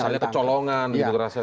misalnya kecolongan gitu rasanya